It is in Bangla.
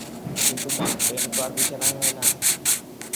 কিন্তু মা, প্রেম তো আর বিছানায় হয় না?